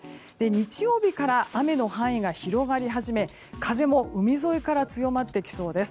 日曜日から雨の範囲が広がり始め風も、海沿いから強まってきそうです。